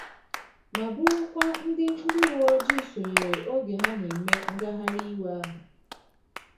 ma bụrụkwa ndị ndị uweojii sònyèèrè oge ha na-eme ngagharịiwe ahụ